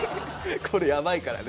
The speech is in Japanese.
これやばいからね